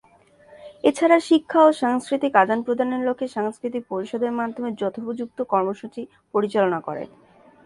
এছাড়া শিক্ষা ও সাংস্কৃতিক আদান-প্রদানের লক্ষ্যে সাংস্কৃতিক পরিষদের মাধ্যমে যথোপযুক্ত কর্মসূচী পরিচালনা করে।